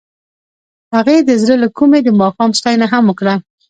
هغې د زړه له کومې د ماښام ستاینه هم وکړه.